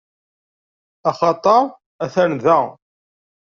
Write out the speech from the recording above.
Axaṭeṛ atan da.